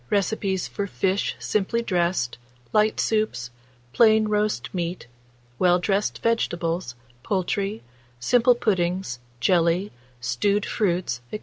Recipes for fish simply dressed, light soups, plain roast meat, well dressed vegetables, poultry, simple puddings, jelly, stewed fruits, &c.